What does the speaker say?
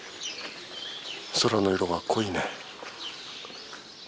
空の色が濃いね。